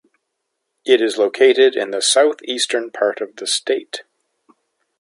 It is located in the South Eastern part of the state.